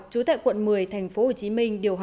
chủ tệ quận một mươi tp hcm